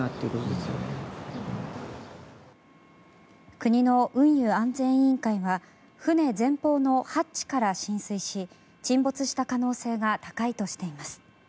国の運輸安全委員会は船前方のハッチから浸水し沈没した可能性が高いとしています。